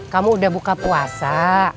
kamu udah buka puasa